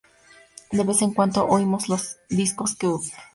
De vez en cuando, oímos los discos que Ud.